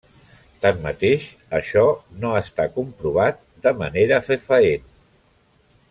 Tanmateix, això no està comprovat de manera fefaent.